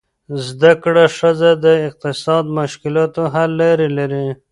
زده کړه ښځه د اقتصادي مشکلاتو حل لارې لري.